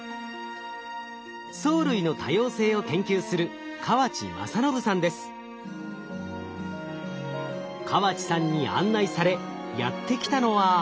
藻類の多様性を研究する河地さんに案内されやって来たのは。